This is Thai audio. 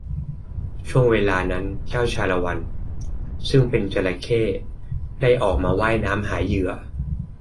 ช่วงเวลานั้นเจ้าชาละวัน ซึ่งเป็นจระเข้ได้ออกมาว่ายน้ำหาเหยื่อ